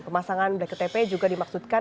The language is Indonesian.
pemasangan bktp juga dimaksudkan